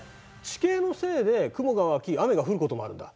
地形のせいで雲が湧き雨が降ることもあるんだ。